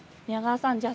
宮川さん